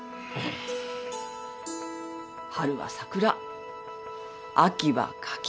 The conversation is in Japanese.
春は桜秋は柿。